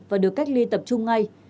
và được cách ly tập trung ngay